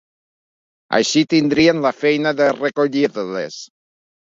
Així tindrien la feina de recollir-les.